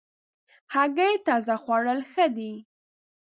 هګۍ تازه خوړل ښه دي.